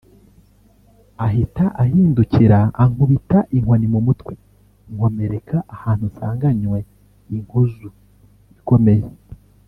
’ Ahita ahindukira ankubita inkoni mu mutwe nkomereka ahantu nsanganywe inkozu ikomeye